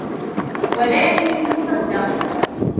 وَلَائِمٍ مُصَدَّقٍ